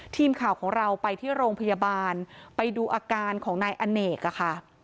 ทีมข่าวของเราไปที่โรงพยาบาลไปดูอาการของนายอเนกอะค่ะ